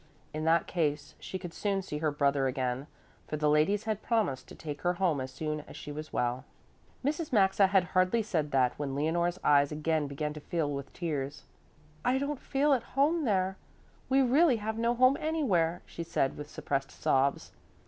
In that case she could soon see her brother again, for the ladies had promised to take her home as soon as she was well. Mrs. Maxa had hardly said that when Leonore's eyes again began to fill with tears. "But I don't feel at home there. We really have no home anywhere," she said with suppressed sobs.